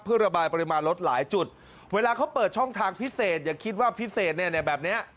เพื่อระบายปริมาณรถหลายจุดเวลาเขาเปิดช่องทางพิเศษอย่าคิดว่าพิเศษเนี่ยแบบเนี้ย